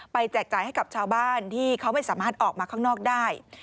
แจกจ่ายให้กับชาวบ้านที่เขาไม่สามารถออกมาข้างนอกได้